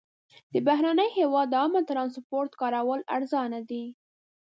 د بهرني هېواد د عامه ترانسپورټ کارول ارزانه دي.